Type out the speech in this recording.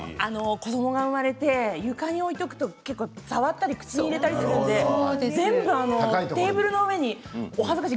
子どもが生まれて床に置いておくと触ったり口に入れたりするので全部その上に、お恥ずかしい。